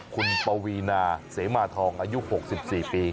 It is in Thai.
คุณปวีนาเสมาทองอายุ๖๔ปี